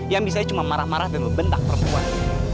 yang bisa cuma marah marah dan membenak perempuan